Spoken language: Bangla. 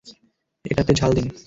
এটাতে ঝাল দিন।